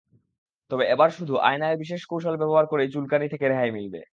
তবে এবার শুধু আয়নার বিশেষ কৌশল ব্যবহার করেই চুলকানি থেকে রেহাই মিলবে।